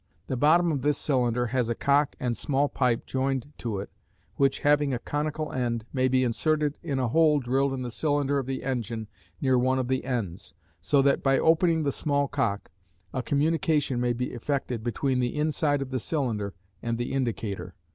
The bottom of this cylinder has a cock and small pipe joined to it which, having a conical end, may be inserted in a hole drilled in the cylinder of the engine near one of the ends, so that, by opening the small cock, a communication may be effected between the inside of the cylinder and the indicator.